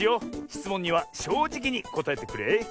しつもんにはしょうじきにこたえてくれ。